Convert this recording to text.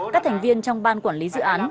các thành viên trong ban quản lý dự án